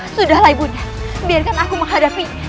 sudahlah ibu bunda biarkan aku menghadapinya